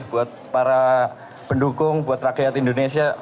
buat para pendukung buat rakyat indonesia